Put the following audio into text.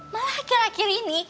malah akhir akhir ini